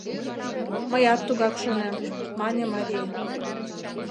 — Мыят тугак шонем, — мане Мари.